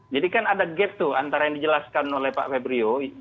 jadi kan ada gap tuh antara yang dijelaskan oleh pak febrio